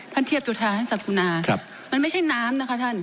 เทียบจุธาท่านศักกุณามันไม่ใช่น้ำนะคะท่าน